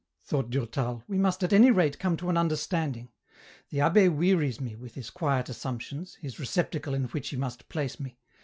thought Durtal, " we must at any rate come to an understanding ; the abbe wearies me with his quiet assumptions, his receptacle in which he must place me.